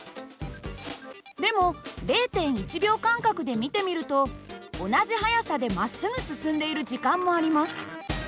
でも０．１秒間隔で見てみると同じ速さでまっすぐ進んでいる時間もあります。